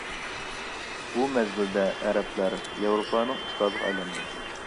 بۇ مەزگىلدە ئەرەبلەر ياۋروپانىڭ ئۇستازىغا ئايلاندى.